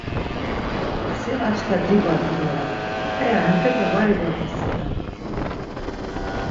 Si açkva dibadi doren, p̌eya hentepe var ibades-i, ya.